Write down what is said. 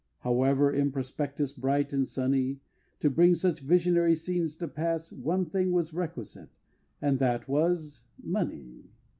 However in prospectus bright and sunny, To bring such visionary scenes to pass One thing was requisite, and that was money!